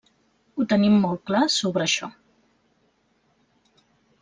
Ho tenim molt clar sobre això.